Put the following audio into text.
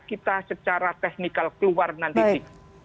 kita secara teknikal keluar nanti sih